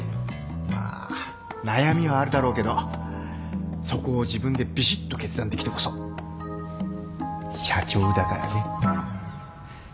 まあ悩みはあるだろうけどそこを自分でびしっと決断できてこそ社長だからね。